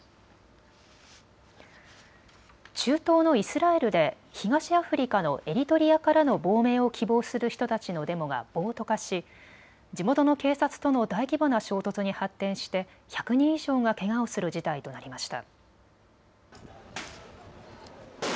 中東のイスラエルで東アフリカのエリトリアからの亡命を希望する人たちのデモが暴徒化し地元の警察との大規模な衝突に発展して１００人以上がけがをする事態となりました。